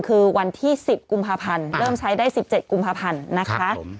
คือวันที่๑๐กุมภาพันธ์เริ่มใช้ได้๑๗กุมภาพันธ์นะคะ